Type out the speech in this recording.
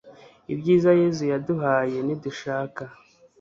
ibyiza yezu yaduhaye nidushaka